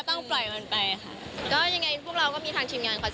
แต่ทุกวันนี้เรามีความสุขกันดี